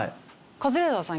カズレーザーさん